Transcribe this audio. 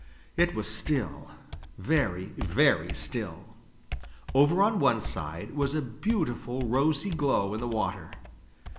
It was still, very, very still. Over on one side was a beautiful rosy glow in the water.